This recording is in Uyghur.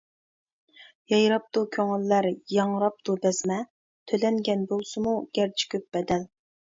يايراپتۇ كۆڭۈللەر ياڭراپتۇ بەزمە، تۆلەنگەن بولسىمۇ گەرچە كۆپ بەدەل.